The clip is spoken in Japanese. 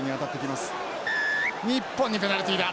日本にペナルティーだ。